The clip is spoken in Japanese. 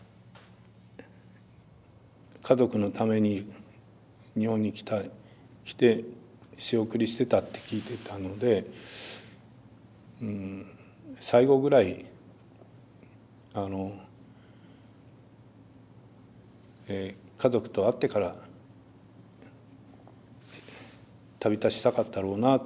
家族のために日本に来て仕送りしてたって聞いてたので最期ぐらい家族と会ってから旅立ちたかったろうなと。